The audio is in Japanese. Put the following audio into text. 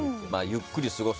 ゆっくり過ごす。